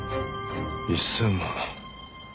１０００万。